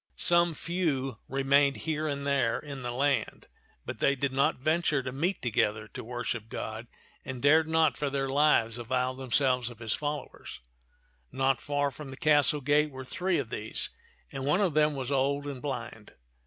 Some few remained here and there in the land, but they did not venture to meet together to worship God, and dared not for their lives avow them t^t (^an of Ba)i)'B tak 63 selves his followers. Not far from the castle gate were three of these, and one of them was old and blind.